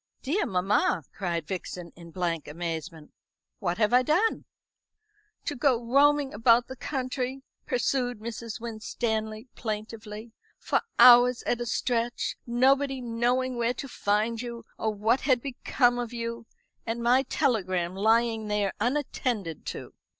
"Dear mamma," cried Vixen, in blank amazement, "what have I done?" "To go roaming about the country," pursued Mrs. Winstanley plaintively, "for hours at a stretch, nobody knowing where to find you or what had become of you. And my telegram lying there unattended to."